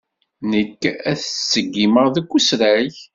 Nekk ad t-ṣeggmeɣ deg usrag.